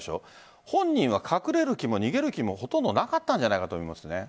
本人は隠れる気も逃げる気もほとんどなかったんじゃないかと思います。